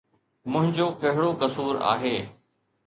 منهنجو ڪهڙو قصور آهي؟